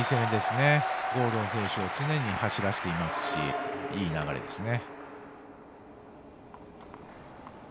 ゴードン選手を常に走らせていますしいい流れですね。